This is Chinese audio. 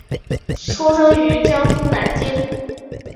出生于江苏南京。